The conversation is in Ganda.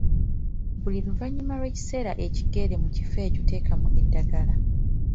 Buli luvanyuma lw‘ekiseera ekigere, mu kifo ekyo teekamu eddagala